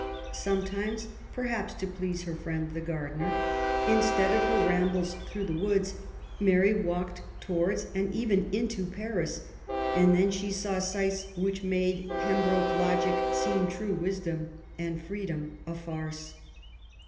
Sometimes, perhaps to please her friend, the gar dener, instead of her rambles through the woods, Mary walked towards and even into Paris, and then she saw sights which made Pembroke logic seem true wisdom, and freedom a farce.